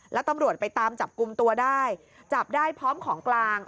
แล้วตำรวจไปตามจับกลุ่มตัวได้จับได้พร้อมของกลาง